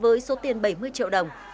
với số tiền bảy mươi triệu đồng